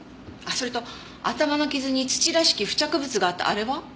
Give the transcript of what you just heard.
あっそれと頭の傷に土らしき付着物があったあれは？